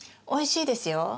おいしいですよ。